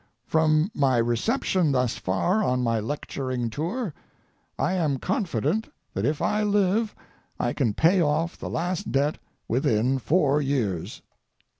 From my reception thus far on my lecturing tour, I am confident that if I live I can pay off the last debt within four years.